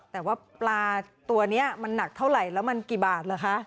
แต่ว่าปลาตัวนี้มันหนักเท่าไหร่แล้วมันกี่บาทเหรอคะ